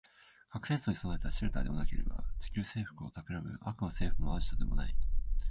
核戦争に備えたシェルターでもなければ、地球制服を企む悪の組織のアジトでもない